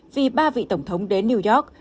vì ba vị tổng thống đến new york